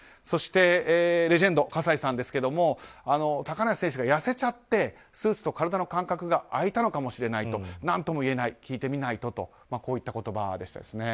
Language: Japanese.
そしてレジェンド葛西さんですが高梨選手が痩せちゃってスーツと体の間隔が空いたのかもしれないと。何とも言えない聞いてみないととこういった言葉でした。